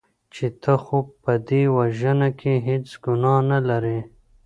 چې ته خو په دې وژنه کې هېڅ ګناه نه لرې .